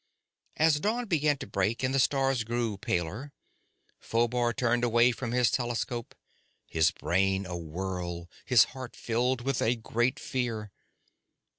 As dawn began to break and the stars grew paler, Phobar turned away from his telescope, his brain awhirl, his heart filled with a great fear.